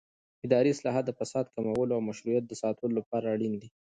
اداري اصلاحات د فساد کمولو او مشروعیت د ساتلو لپاره اړین دي